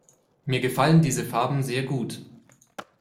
Mir gefallen diese Farben sehr gut.